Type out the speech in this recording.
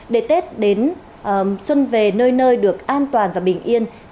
để tết đến xuân về nơi nơi được an toàn và bình yên